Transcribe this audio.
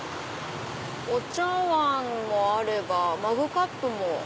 お茶わんもあればマグカップも。